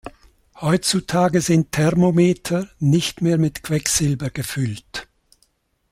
Heutzutage sind Thermometer nicht mehr mit Quecksilber gefüllt.